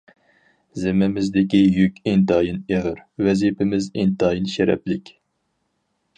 زىممىمىزدىكى يۈك ئىنتايىن ئېغىر، ۋەزىپىمىز ئىنتايىن شەرەپلىك.